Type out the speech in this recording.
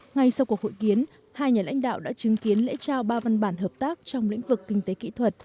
ngay sau cuộc hội kiến hai nhà lãnh đạo đã chứng kiến lễ trao ba văn bản hợp tác trong lĩnh vực kinh tế kỹ thuật